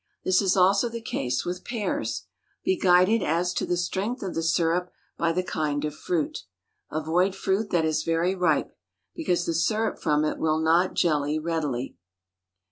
This is also the case with pears. Be guided as to the strength of the syrup by the kind of fruit. Avoid fruit that is very ripe, because the syrup from it will not jelly readily.